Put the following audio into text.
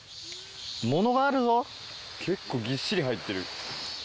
結構ぎっしり入ってる。